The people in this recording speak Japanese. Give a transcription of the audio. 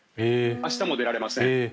明日も出られません。